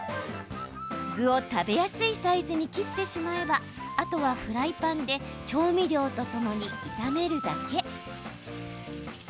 具を食べやすいサイズに切ってしまえばあとはフライパンで調味料とともに炒めるだけ。